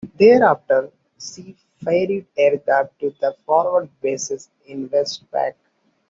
Thereafter she ferried aircraft to forward bases in WestPac.